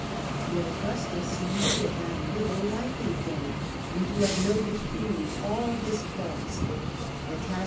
Yet Augustus seems to have had little liking for him, and to have noted keenly all his faults, the taci